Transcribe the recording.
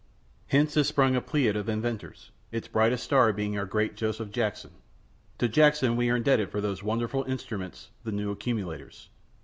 Hence is sprung a pleiad of inventors, its brightest star being our great Joseph Jackson. To Jackson we are indebted for those wonderful instruments the new accumulators.